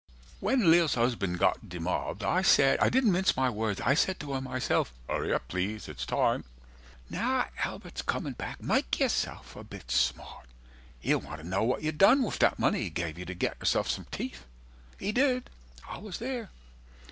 When Lil's husband got demobbed, I said— I didn't mince my words, I said to her myself, 140 HURRY UP PLEASE IT'S TIME Now Albert's coming back, make yourself a bit smart. He'll want to know what you done with that money he gave you To get yourself some teeth. He did, I was there.